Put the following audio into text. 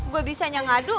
gue bisa yang adu